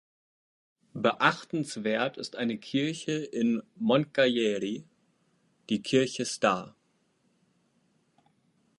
Beachtenswert ist eine Kirche in Moncalieri, die Kirche Sta.